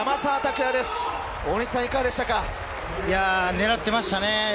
狙っていましたね。